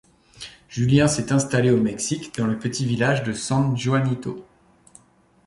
Julien s'est installé au Mexique, dans le petit village de San Juanito.